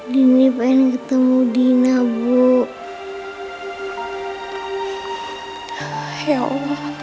dini pengen ketemu dina bu